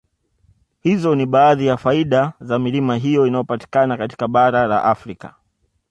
Hizo ni baadhi ya faida za milima hiyo inayopatikana katika bara la Afrika